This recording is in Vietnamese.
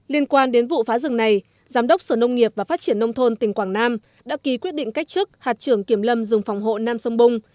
liên quan đến vụ phá rừng này giám đốc sở nông nghiệp và phát triển nông thôn tỉnh quảng nam đã ký quyết định cách chức hạt trưởng kiểm lâm rừng phòng hộ nam sông bung